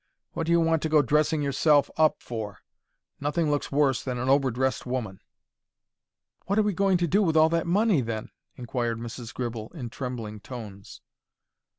What do you want to go dressing yourself up for? Nothing looks worse than an over dressed woman." "What are we going to do with all that money, then?" inquired Mrs. Gribble, in trembling tones.